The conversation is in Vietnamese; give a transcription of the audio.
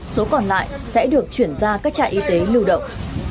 số còn lại sẽ được chuyển ra các trạm y tế lưu động